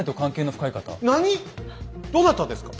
どなたですか？